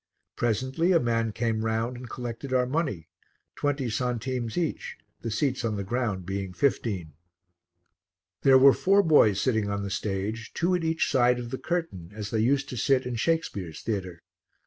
Presently a man came round and collected our money, twenty centimes each, the seats on the ground being fifteen. There were four boys sitting on the stage, two at each side of the curtain, as they used to sit in Shakespeare's theatre.